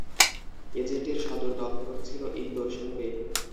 এজেন্টের সদর দফতর ছিল ইন্দোর শহরে।